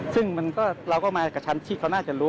ซึ่งเราก็มากับทางชิดเขาน่าจะรู้